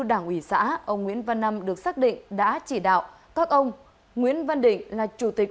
đảng ủy xã ông nguyễn văn năm được xác định đã chỉ đạo các ông nguyễn văn định là chủ tịch